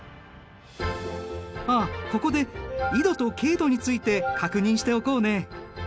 あっここで緯度と経度について確認しておこうね。